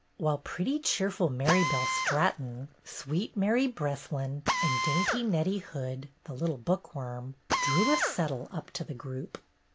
While pretty, cheerful Marybelle Strat ton, sweet Mary Breslin, and dainty Nettie Hood, the little bookworm, drew a settle up to the group.